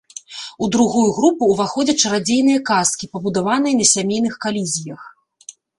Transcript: У другую групу ўваходзяць чарадзейныя казкі, пабудаваныя на сямейных калізіях.